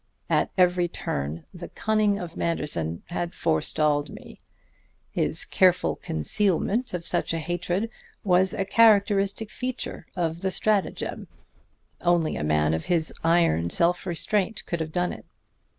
At every turn the cunning of Manderson had forestalled me. His careful concealment of such a hatred was a characteristic feature of the stratagem; only a man of his iron self restraint could have done it.